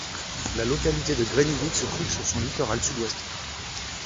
La localité de Grenivík se trouve sur son littoral sud-ouest.